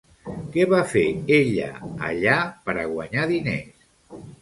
Què va fer ella allà per a guanyar diners?